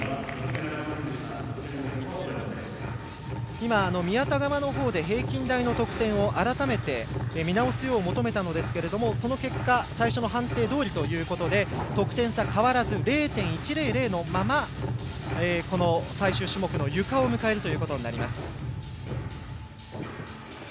今、宮田側の方で平均台の得点を改めて見直すよう求めたんですけれどもその結果最初の判定どおりということで得点差は変わらず０．１００のまま最終種目のゆかを迎えます。